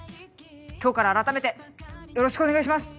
今日からあらためてよろしくお願いします。